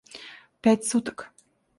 — Пять суток.